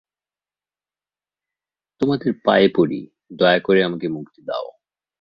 তোমাদের পায়ে পড়ি, দয়া করে আমাকে মুক্তি দাও।